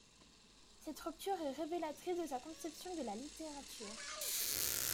Cette rupture est révélatrice de sa conception de la littérature.